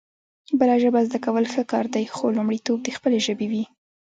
بله ژبه زده کول ښه کار دی خو لومړيتوب د خپلې ژبې وي